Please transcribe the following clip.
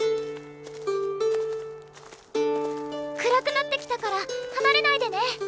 くらくなってきたからはなれないでね。